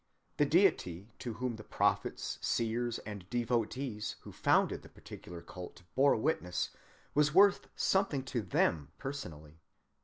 The deity to whom the prophets, seers, and devotees who founded the particular cult bore witness was worth something to them personally.